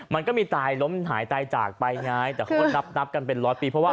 มันก็มีตายล้มหายตายจากไปไงแต่เขาก็นับนับกันเป็นร้อยปีเพราะว่า